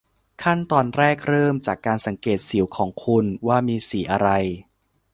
ขั้นตอนแรกเริ่มจากการสังเกตสิวของคุณว่ามีสีอะไร